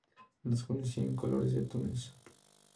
Los jóvenes tienen colores tenues.